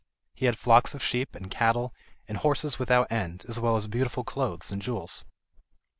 He had flocks of sheep, and cattle, and horses without end, as well as beautiful clothes and jewels.